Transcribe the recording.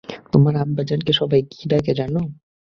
তোমার আব্বাজানকে সবাই কী ডাকে জানো?